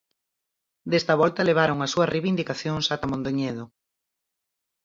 Desta volta levaron as súas reivindicacións ata Mondoñedo.